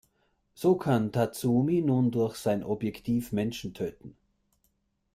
So kann Tatsumi nun durch sein Objektiv Menschen töten.